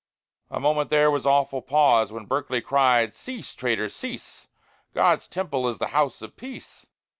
A moment there was awful pause, When Berkeley cried, "Cease, traitor! cease! God's temple is the house of peace!"